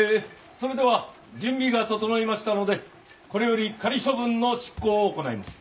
それでは準備が整いましたのでこれより仮処分の執行を行います。